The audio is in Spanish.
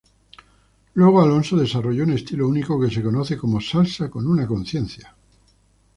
Luego Alonso desarrolló un estilo único que se conoce como "salsa con una conciencia".